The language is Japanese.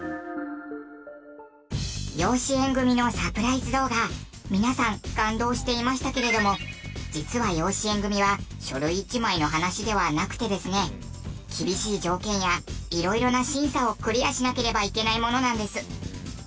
養子縁組のサプライズ動画皆さん感動していましたけれども実は養子縁組は書類一枚の話ではなくてですね厳しい条件や色々な審査をクリアしなければいけないものなんです。